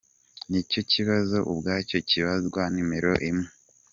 N’icyo kibazo ubwacyo kibazwa nimero rimwe.